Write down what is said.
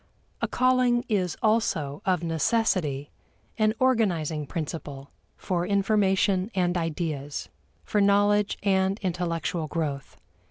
A calling is also of necessity an organizing principle for information and ideas; for knowledge and intellectual growth.